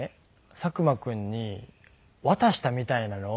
佐久間君に渡したみたいなのを。